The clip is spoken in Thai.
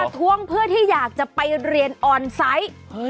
ทวงเพื่อที่อยากจะไปเรียนออนไซต์